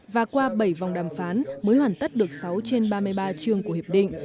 và qua bảy vòng đàm phán mới hoàn tất được sáu trên ba mươi ba trường của hiệp định